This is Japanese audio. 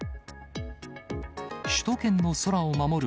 首都圏の空を守る